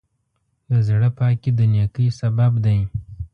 د زړۀ پاکي د نیکۍ سبب دی.